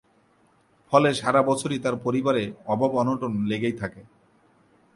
ফলে সারা বছরই তার পরিবারে অভাব অনটন লেগেই থাকে।